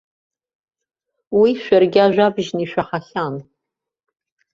Уи шәаргьы ажәабжьны ишәаҳахьан.